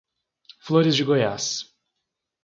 Flores de Goiás